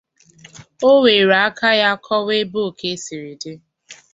o were aka ya kọwaa ebe oke siri dị.